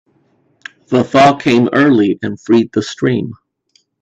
The thaw came early and freed the stream.